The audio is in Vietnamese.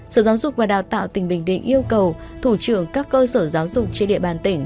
sở giáo dục và đào tạo tỉnh bình định yêu cầu thủ trưởng các cơ sở giáo dục trên địa bàn tỉnh